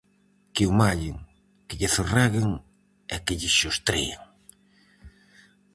Que o mallen, que lle zorreguen e que lle xostreen!